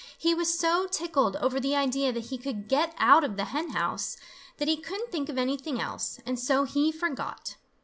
He was so tickled over the idea that he could get out of the hen house, that he couldn't think of anything else, and so he forgot.